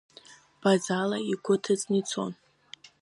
Базала игәы ҭыҵны ицон.